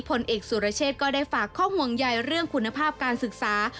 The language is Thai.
ผลเอกสุรเชษก็ได้ฝากข้อห่วงใยเรื่องคุณภาพการศึกษา